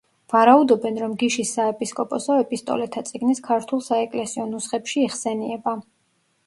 ვარაუდობენ, რომ გიშის საეპისკოპოსო „ეპისტოლეთა წიგნის“ ქართულ საეკლესიო ნუსხებში იხსენიება.